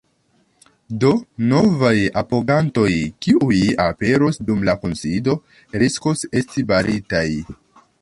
Do novaj apogantoj, kiuj aperos dum la kunsido, riskos esti baritaj.